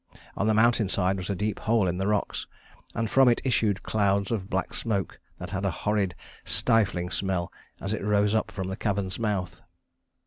On the mountain side was a deep hole in the rocks, and from it issued clouds of black smoke that had a horrid stifling smell as it rose up from the cavern's mouth.